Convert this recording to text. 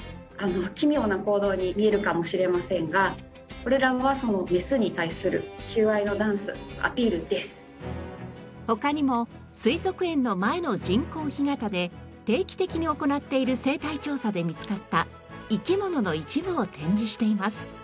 奇妙な行動に見えるかもしれませんがこれらは他にも水族園の前の人工干潟で定期的に行っている生態調査で見つかった生き物の一部を展示しています。